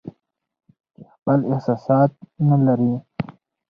چې خپل احساسات نه لري